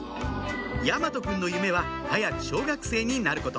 大和くんの夢は早く小学生になること